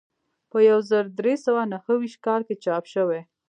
په یو زر درې سوه نهه ویشت کال کې چاپ شوی.